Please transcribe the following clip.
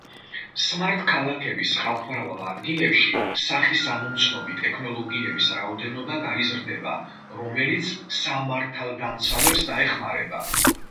სმარტ-ქალაქების ხალხმრავალ ადგილებში სახის ამომცნობი ტექნოლოგიების რაოდენობა გაიზრდება, რომელიც სამართალდამცავებს დაეხმარება.